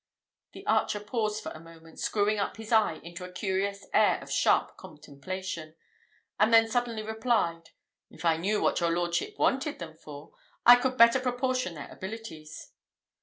The archer paused for a moment, screwing up his eye into a curious air of sharp contemplation; and then suddenly replied, "If I knew what your lordship wanted them for, I could better proportion their abilities."